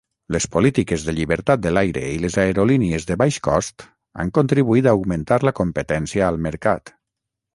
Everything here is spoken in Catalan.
Les polítiques de llibertat de l'aire i les aerolínies de baix cost han contribuït a augmentar la competència al mercat.